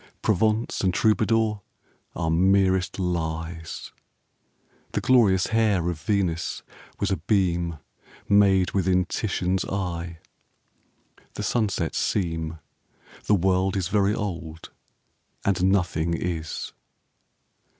Provence and Troubadour are merest lies. The glorious hair of Venice was a beam Made within Titian's eye. The sunsets seem, The world is very old and nothing is.